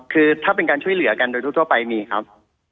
คือถ้าเป็นการช่วยเหลือกันโดยทั่วไปมีครับ